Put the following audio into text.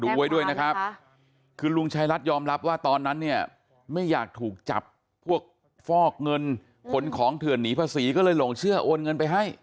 ไว้ด้วยนะครับคือลุงชายรัฐยอมรับว่าตอนนั้นเนี่ยไม่อยากถูกจับพวกฟอกเงินขนของเถื่อนหนีภาษีก็เลยหลงเชื่อโอนเงินไปให้